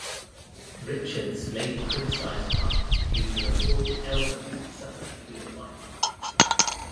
Richards later criticized Huck due to reported elbows he suffered through the fight.